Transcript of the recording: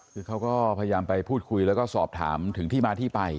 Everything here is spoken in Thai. คือเขาก็พยายามไปพูดคุยแล้วก็สอบถามถึงที่มาที่ไป